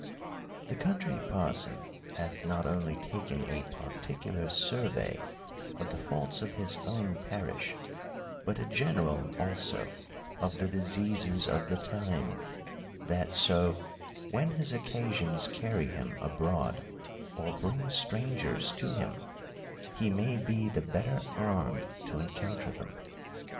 The Country Parson hath not only taken a particular survey of the faults of his own parish, but a general also of the diseases of the time ; that so, when his occasions carry him abroad or bring strangers to him, he may be the better armed to encounter them.